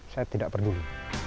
saya tidak peduli